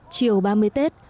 chiều ba mươi tết